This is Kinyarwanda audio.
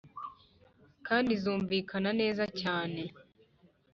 kandi zumvikana neza cyane